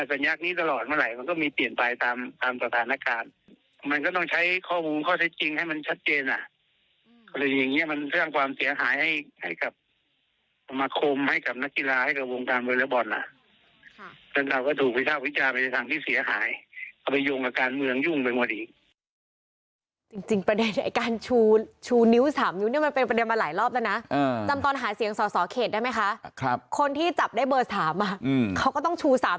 สัญญาณนี้ตลอดเมื่อไหร่มันก็มีเปลี่ยนไปตามตรฐานการณ์มันก็ต้องใช้ข้อมูลข้อใช้จริงให้มันชัดเจนอ่ะหรืออย่างเงี้ยมันสร้างความเสียหายให้ให้กับมาคมให้กับนักกีฬาให้กับวงการเบอร์เรอร์บอลอ่ะครับแต่เราก็ถูกวิทยาววิจารณ์เป็นทางที่เสียหายเอาไปยงกับการเมืองยุ่งไปหมดอีกจริงจร